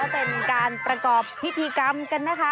เป็นการประกอบพิธีกรรมกันนะคะ